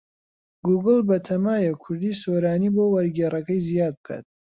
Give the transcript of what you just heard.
گووگڵ بەتەمایە کوردیی سۆرانی بۆ وەرگێڕەکەی زیاد بکات.